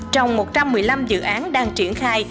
trong một trăm một mươi năm dự án đang triển khai